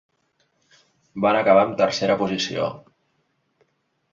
Van acabar en tercera posició.